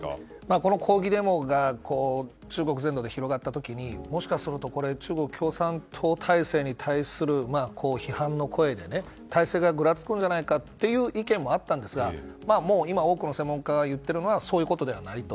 この抗議デモが中国全土で広がった時にもしかすると中国共産党体制に対する批判の声で、体制がぐらつくんじゃないかという意見もあったんですが今、多くの専門家が言っているのはそういうことではないと。